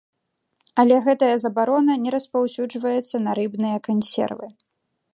Але гэтая забарона не распаўсюджваецца на рыбныя кансервы.